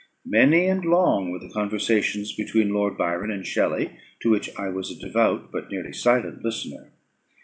Many and long were the conversations between Lord Byron and Shelley, to which I was a devout but nearly silent listener.